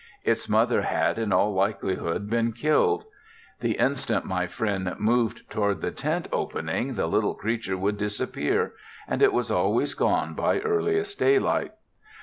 Its mother had in all likelihood been killed. The instant my friend moved toward the tent opening the little creature would disappear, and it was always gone by earliest daylight.